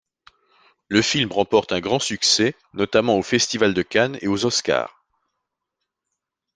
Le film remporte un grand succès, notamment au Festival de Cannes et aux Oscars.